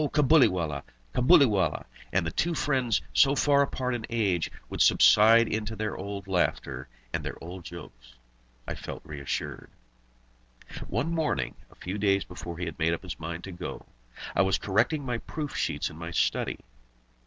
Cabuliwallah! Cabuliwallah!" and the two friends, so far apart in age, would subside into their old laughter and their old jokes, I felt reassured. One morning, a few days before he had made up his mind to go, I was correcting my proof sheets in my study.